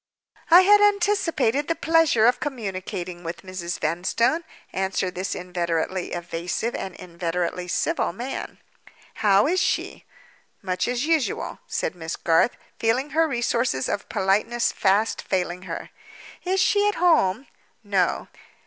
"I had anticipated the pleasure of communicating with Mrs. Vanstone," answered this inveterately evasive and inveterately civil man. "How is she?" "Much as usual," said Miss Garth, feeling her resources of politeness fast failing her. "Is she at home?" "No."